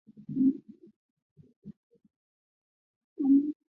似形古尖腭扁虫为尖腭扁虫科中一个已灭绝的物种。